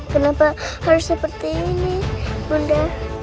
kenapa harus seperti ini bunda